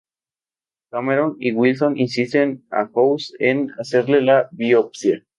Cameron y Wilson insisten a House en hacerle la biopsia.